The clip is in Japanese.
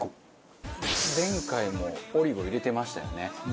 前回もオリゴ入れてましたよね。